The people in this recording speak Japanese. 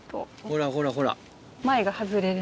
ほらほらほら。